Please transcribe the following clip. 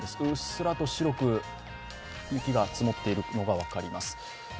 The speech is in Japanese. うっすらと白く雪が積もっているのが分かります。